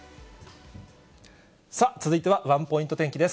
さあ、続いてはワンポイント天気です。